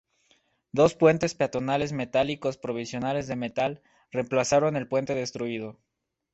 Dos puentes peatonales metálicos provisionales de metal reemplazaron el puente destruido.